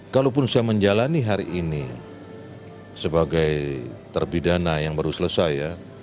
kalaupun saya menjalani hari ini sebagai terpidana yang baru selesai ya